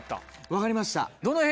分かりました。